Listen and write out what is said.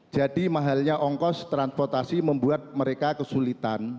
jadi mahalnya ongkos transportasi membuat mereka kesulitan